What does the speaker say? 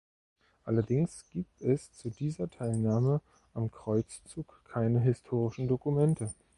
Allerdings gibt es zu dieser Teilnahme am Kreuzzug keine historischen Dokumente.